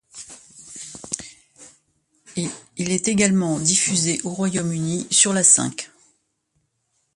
Il est également diffusé au Royaume-Uni sur la Cinq.